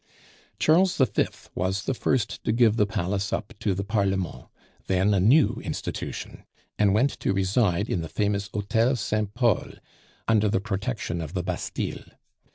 Charles V. was the first to give the Palace up to the Parlement, then a new institution, and went to reside in the famous Hotel Saint Pol, under the protection of the Bastille.